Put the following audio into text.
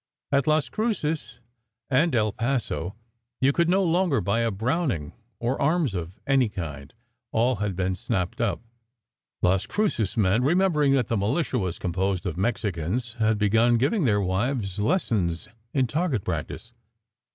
At Las Cruces and El Paso you could no longer buy a Browning, or arms of any kind. All had been snapped up. Las Cruces men, remember ing that the militia was composed of Mexicans, had begun giving their wives lessons in target practice.